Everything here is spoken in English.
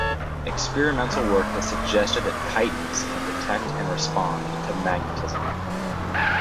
Experimental work has suggested that chitons can detect and respond to magnetism.